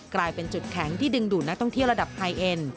กลายเป็นจุดแข็งที่ดึงดูดนักท่องเที่ยวระดับไฮเอ็น